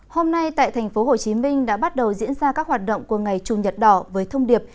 hôm nay tại tp hcm đã bắt đầu diễn ra các hoạt động của ngày chủ nhật đỏ với thông điệp